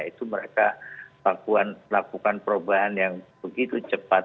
itu mereka lakukan perubahan yang begitu cepat